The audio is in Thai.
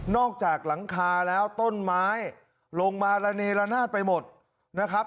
จากหลังคาแล้วต้นไม้ลงมาระเนละนาดไปหมดนะครับ